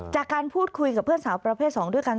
จากการพูดคุยกับเพื่อนสาวประเภท๒ด้วยกัน